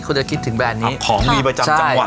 โปรดติดตามต่อไป